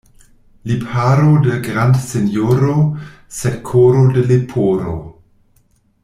Lipharo de grandsinjoro, sed koro de leporo.